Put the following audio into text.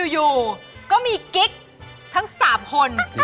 อยู่ก็มีกิ๊กทั้ง๓คน